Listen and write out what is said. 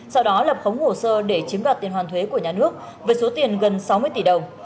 sau đó lập khống hồ sơ để chiếm đoạt tiền hoàn thuế của nhà nước với số tiền gần sáu mươi tỷ đồng